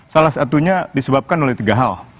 salah satunya disebabkan oleh tiga hal